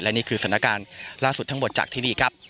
นี่คือสถานการณ์ล่าสุดทั้งหมดจากที่นี่ครับ